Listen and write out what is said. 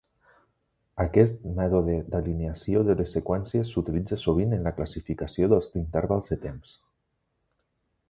Aquest mètode d'alineació de les seqüències s'utilitza sovint en la classificació dels intervals de temps.